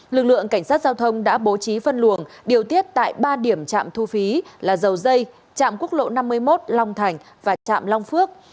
lực lượng cảnh sát giao thông đã bố trí phân luồng điều tiết tại ba điểm trạm thu phí là dầu dây trạm quốc lộ năm mươi một long thành và trạm long phước